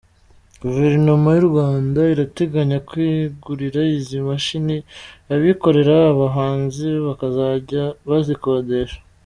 Guverinoma y’u Rwanda irateganya kwegurira izi mashini abikorera, abahinzi bakazajya bazikodesha.